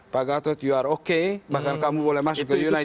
pak gatot you are okay bahkan kamu boleh masuk ke united states